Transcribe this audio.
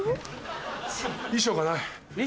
衣装がない。